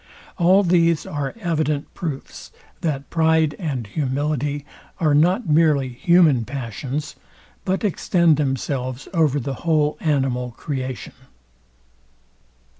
All these are evident proofs, that pride and humility are not merely human passions, but extend themselves over the whole animal creation.